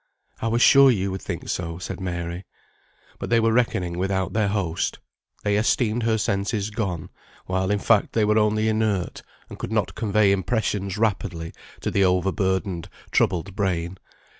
"I was sure you would think so," said Mary. But they were reckoning without their host. They esteemed her senses gone, while, in fact, they were only inert, and could not convey impressions rapidly to the over burdened, troubled brain.